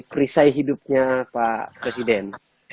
perisai hidupnya pak presiden